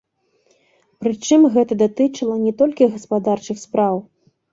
Прычым гэта датычыла не толькі гаспадарчых спраў.